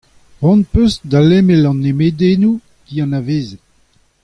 Cʼhoant hocʼh eus da lemel an nemedennoù dianavezet ?